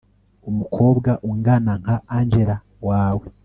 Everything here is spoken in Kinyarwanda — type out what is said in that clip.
umukobwa ungana nka angella wawe